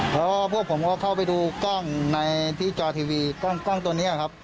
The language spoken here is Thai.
เพราะว่าพวกผมก็เข้าไปดูกล้องในที่จอทีวีกล้องตัวนี้ครับ